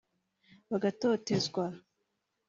bagatotezwa